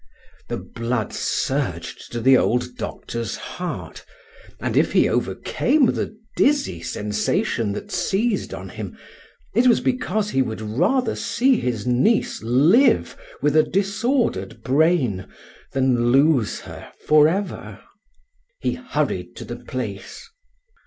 The blood surged to the old doctor's heart; and if he overcame the dizzy sensation that seized on him, it was because he would rather see his niece live with a disordered brain than lose her for ever. He hurried to the place.